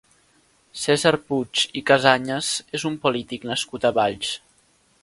Cèsar Puig i Casañas és un polític nascut a Valls.